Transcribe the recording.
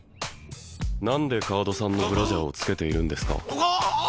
何で川戸さんのブラジャーをつけているんですか？